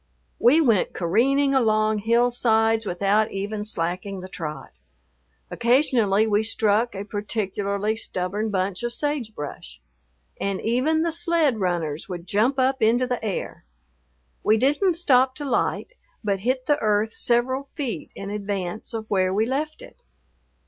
We went careening along hill sides without even slacking the trot. Occasionally we struck a particularly stubborn bunch of sagebrush and even the sled runners would jump up into the air. We didn't stop to light, but hit the earth several feet in advance of where we left it.